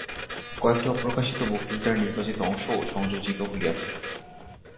কয়েকটি অপ্রকাশিত বক্তৃতার নির্বাচিত অংশও সংযোজিত হইয়াছে।